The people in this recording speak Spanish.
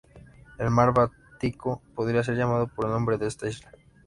El mar Báltico podría ser llamado por el nombre de esta isla.